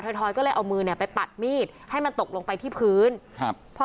ถอยก็เลยเอามือเนี่ยไปปัดมีดให้มันตกลงไปที่พื้นครับพอ